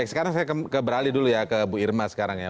sekarang saya beralih dulu ya ke bu irma sekarang ya